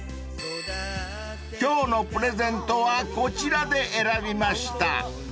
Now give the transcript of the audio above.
［今日のプレゼントはこちらで選びました］